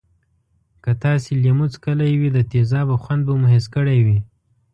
که تاسې لیمو څکلی وي د تیزابو خوند به مو حس کړی وی.